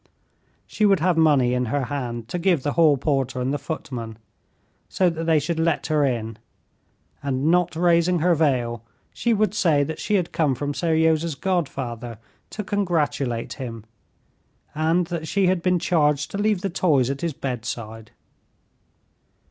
She would have money in her hand to give the hall porter and the footman, so that they should let her in, and not raising her veil, she would say that she had come from Seryozha's godfather to congratulate him, and that she had been charged to leave the toys at his bedside.